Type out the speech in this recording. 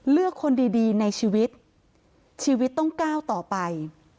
เลือกคนดีในชีวิตชีวิตต้องก้าวต่อไป